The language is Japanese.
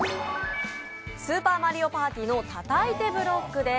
「スーパーマリオパーティー」の「たたいてブロック」です。